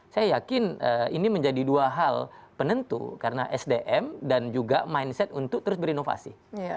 saya yakin ini menjadi dua hal penentu karena sdm dan juga mindset untuk terus berinovasi